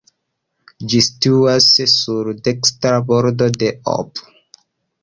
Ĝi situas sur dekstra bordo de Ob.